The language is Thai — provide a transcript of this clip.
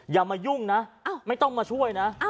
อย่ามายุ่งนะไม่ต้องมาช่วยนะ